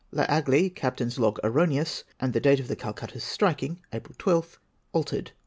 EAigle, Captain's log erroneous, and date of the Calcutta'' s striking April 12. altered.